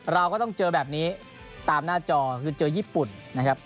เราก็ต้องเจอแบบนี้ตามหน้าจอคือเจอญี่ปุ่นนะครับ